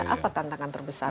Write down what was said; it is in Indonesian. apa tantangan terbesar